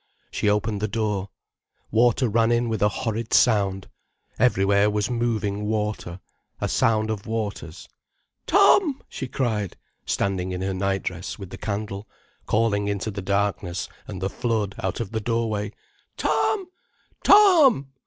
She opened the door. Water ran in with a horrid sound. Everywhere was moving water, a sound of waters. "Tom!" she cried, standing in her nightdress with the candle, calling into the darkness and the flood out of the doorway. "Tom! Tom!"